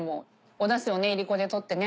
お出汁をいりこで取ってね。